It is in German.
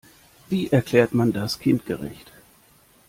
Wie erklärt man das kindgerecht?